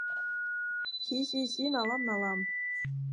— Хи-хи-хи, налам, налам!